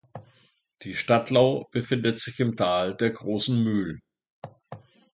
Die Stadlau befindet sich im Tal der Großen Mühl.